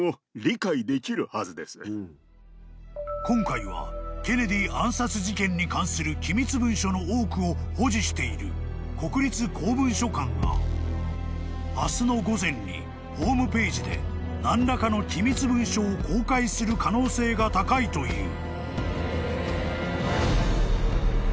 ［今回はケネディ暗殺事件に関する機密文書の多くを保持している国立公文書館が明日の午前にホームページで何らかの機密文書を公開する可能性が高いという］